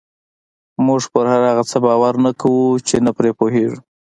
موږ پر هغه څه باور نه کوو چې نه پرې پوهېږو.